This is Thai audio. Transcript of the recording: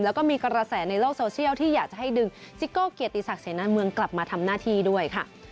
แล้วก็มีกระแสในโลกโซเชียลที่อยากจะให้ดึงซิโก้เกียรติศักดิเสนาเมืองกลับมาทำหน้าที่ด้วยค่ะ